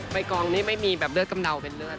ใบกองนี้ไม่มีแบบเลือดกำเนาเป็นเลือด